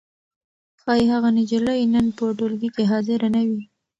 ښايي هغه نجلۍ نن په ټولګي کې حاضره نه وي.